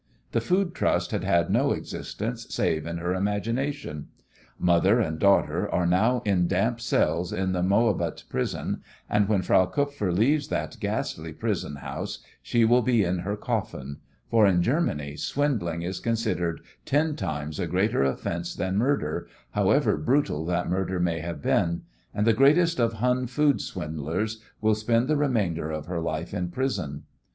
The Food Trust had had no existence save in her imagination. Mother and daughter are now in damp cells in the Moabit Prison, and when Frau Kupfer leaves that ghastly prison house she will be in her coffin, for in Germany swindling is considered ten times a greater offence than murder, however brutal that murder may have been, and the greatest of Hun food swindlers will spend the remainder of her life in prison.